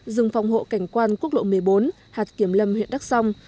rừng phòng hộ cảnh quan quốc lộ một mươi bốn hạt kiểm lâm huyện đắc sông